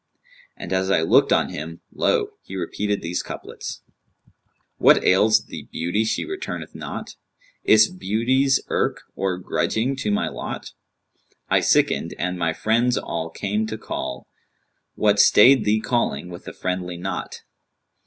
And as I looked on him, lo! he repeated these couplets, 'What ails the Beauty she returneth not? * Is't Beauty's irk or grudging to my lot? I sickened and my friends all came to call; * What stayed thee calling with the friendly knot?